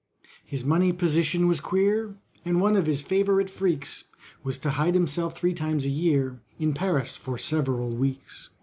His money position was queer, And one of his favourite freaks Was to hide himself three times a year, In Paris, for several weeks.